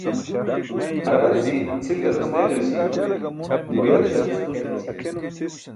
Haralci c̣ʰil galas deeġaśi̇ huyeltarc herći̇.